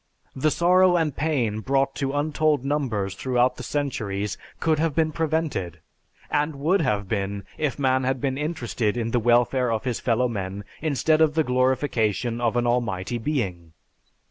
The sorrow and pain brought to untold numbers throughout the centuries could have been prevented; and would have been if man had been interested in the welfare of his fellowmen instead of the glorification of an almighty being.